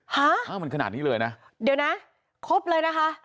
ฮะอ้าวมันขนาดนี้เลยนะเดี๋ยวนะครบเลยนะคะ